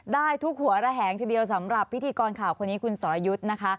ได้ทุกหัวระแหงทีเดียวสำหรับพิธีกรข่าวคนนี้คุณสรยุทธ์นะคะ